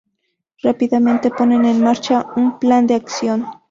Rápidamente ponen en marcha un plan de acción.